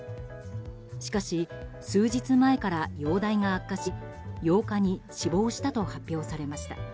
しかし、数日前から容体が悪化し８日に死亡したと発表されました。